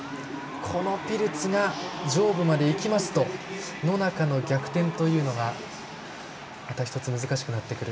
このピルツが上部までいきますと野中の逆転が難しくなってくる。